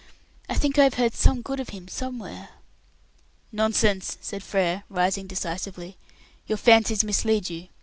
I think I have heard some good of him somewhere." "Nonsense," said Frere, rising decisively. "Your fancies mislead you.